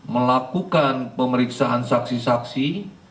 melakukan pemeriksaan saksi saksi